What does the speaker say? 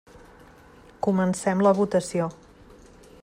Comencem la votació.